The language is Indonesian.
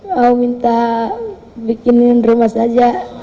mau minta bikinin rumah saja